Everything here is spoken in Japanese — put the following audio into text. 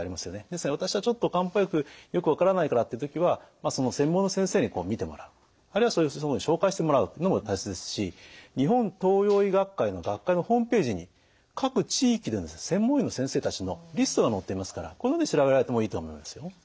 ですので「私はちょっと漢方薬よく分からないから」って時は専門の先生にこう診てもらうあるいはそういう先生を紹介してもらうのも大切ですし日本東洋医学会の学会のホームページに各地域での専門医の先生たちのリストが載っていますからここで調べられてもいいと思いますよ。